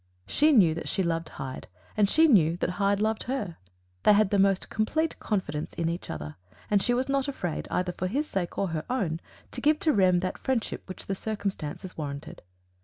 She knew that she loved Hyde, and she knew that Hyde loved her. They had a most complete confidence in each other; and she was not afraid, either for his sake or her own, to give to Rem that friendship which the circumstances warranted.